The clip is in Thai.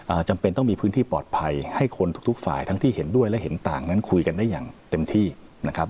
จำเป็นต้องมีพื้นที่ปลอดภัยให้คนทุกทุกฝ่ายทั้งที่เห็นด้วยและเห็นต่างนั้นคุยกันได้อย่างเต็มที่นะครับ